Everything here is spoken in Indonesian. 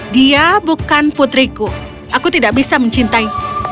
dia bukan putriku aku tidak bisa mencintai